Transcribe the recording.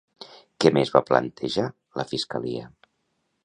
Què més va plantejar, la fiscalia?